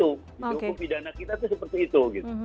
hukum pidana kita itu seperti itu